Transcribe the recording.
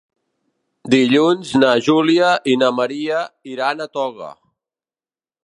Dilluns na Júlia i na Maria iran a Toga.